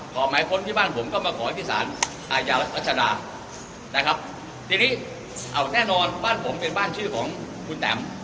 ขอหมายค้นที่บ้านผมก็มาขอให้ที่สารอาญารัชดานะครับทีนี้เอาแน่นอนบ้านผมเป็นบ้านชื่อของคุณแตม